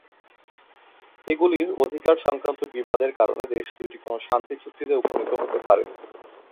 এগুলির অধিকার সংক্রান্ত বিবাদের কারণে দেশ দুইটি কোন শান্তি চুক্তিতে উপনীত হতে পারেনি।